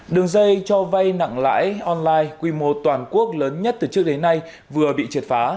đường dây cho vay nặng lãi online quy mô toàn quốc lớn nhất từ trước đến nay vừa bị triệt phá